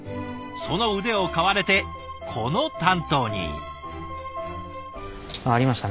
その腕を買われてこの担当に。